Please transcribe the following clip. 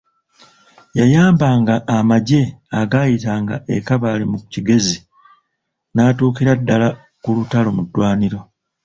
Yayamba amagye agaayitanga e Kabale mu Kigezi, n'atuukira ddala ku lutalo mu ddwaniro.